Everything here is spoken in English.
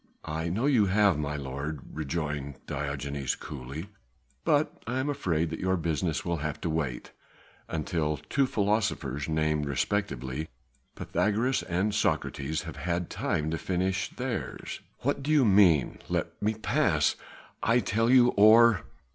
"I know you have, my lord," rejoined Diogenes coolly, "but I am afraid that your business will have to wait until two philosophers named respectively Pythagoras and Socrates have had time to finish theirs." "What do you mean? Let me pass, I tell you, or...."